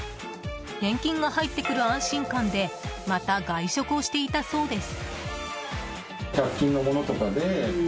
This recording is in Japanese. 年金が入ってくる安心感でまた外食をしていたそうです。